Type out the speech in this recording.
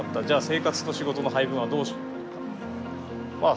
じゃあ生活と仕事の配分はどうしようとか。